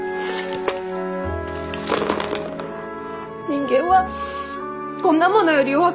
人間はこんなものより弱くない！